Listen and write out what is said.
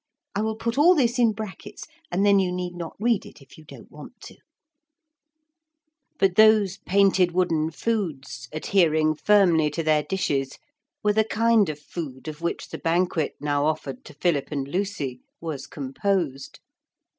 I will put all this in brackets, and then you need not read it if you don't want to.) [Illustration: Mr. Noah whispered ardently, 'Don't!'] But those painted wooden foods adhering firmly to their dishes were the kind of food of which the banquet now offered to Philip and Lucy was composed.